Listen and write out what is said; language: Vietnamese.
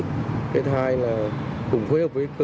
thứ hai là cùng phối hợp với cơ quan